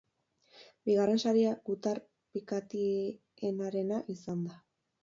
Bigarren saria gutar pikatienarena izan da.